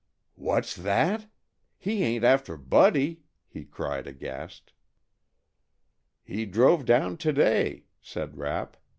"What's that? He ain't after Buddy?" he cried aghast. "He drove down to day," said Rapp.